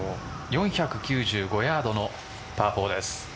４９５ヤードのパー４です。